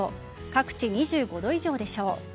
各地２５度以上でしょう。